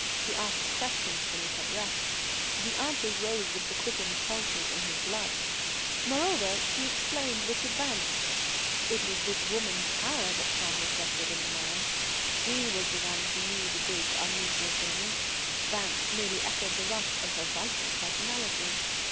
She asked questions beneath her breath. The answers rose with the quickened pulses in his blood. Moreover, she explained Richard Vance. It was this woman's power that shone reflected in the man. She was the one who knew the big, unusual things. Vance merely echoed the rush of her vital personality.